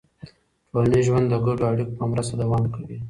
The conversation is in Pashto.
ټولنیز ژوند د ګډو اړیکو په مرسته دوام کوي.